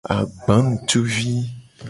Agbanutuvi.